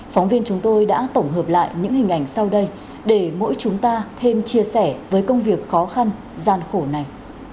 phóng viên chúng tôi đã tổng hợp lại những hình ảnh sau đây để mỗi chúng ta thêm chia sẻ với công việc khó khăn gian khổ này